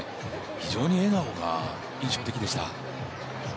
非常に笑顔が印象的でした。